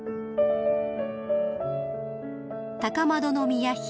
［高円宮妃